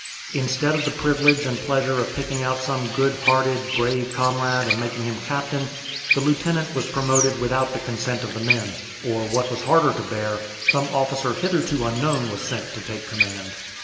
Instead of the privilege and pleasure of picking out some good hearted, brave comrade and making him captain, the lieutenant was promoted without the consent of the men, or, what was harder to bear, some officer hitherto unknown was sent to take command.